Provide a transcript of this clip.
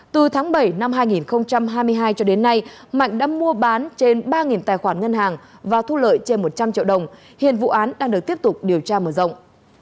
từ tháng bảy năm hai nghìn hai mươi hai cho đến nay mạnh đã mua bán trên ba tài khoản ngân hàng và thu lợi trên một trăm linh triệu đồng hiện vụ án đang được tiếp tục điều tra mở rộng